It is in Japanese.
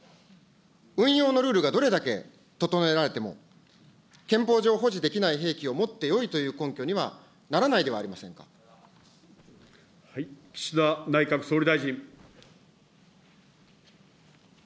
運用のルールがどれだけ整えられても、憲法上保持できない兵器を持ってよいという根拠にはならないでは岸田内閣総理大臣。